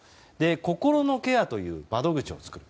心のケアという窓口を作る。